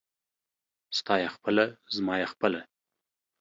ستا يې خپله ، زما يې خپله.